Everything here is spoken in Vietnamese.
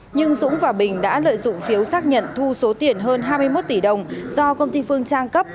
nhưng dũng và bình đã lợi dụng phiếu xác nhận thu số tiền hơn hai mươi một tỷ đồng do công ty phương trang cấp